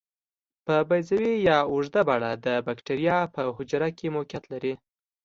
په بیضوي یا اوږده بڼه د باکتریا په حجره کې موقعیت لري.